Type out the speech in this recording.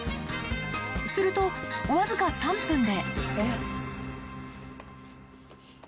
すると、僅か３分で。